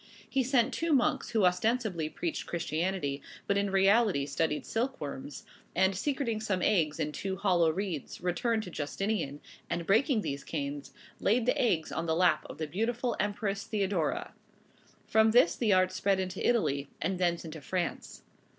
He sent two monks, who ostensibly preached Christianity, but in reality studied silk worms, and, secreting some eggs in two hollow reeds, returned to Justinian, and breaking these canes, laid the eggs on the lap of the beautiful Empress Theodora. From this the art spread into Italy, and thence into France.